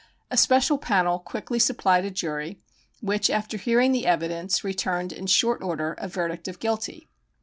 A special panel quickly supplied a jury, which, after hearing the evidence, returned in short order a verdict of guilty.